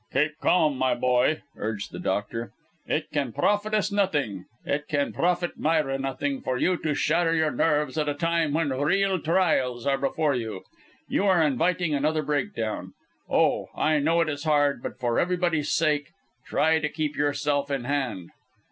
"Keep calm, my boy," urged the doctor; "it can profit us nothing, it can profit Myra nothing, for you to shatter your nerves at a time when real trials are before you. You are inviting another breakdown. Oh! I know it is hard; but for everybody's sake try to keep yourself in hand."